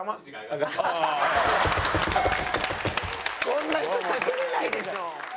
こんな人掛けれないでしょ。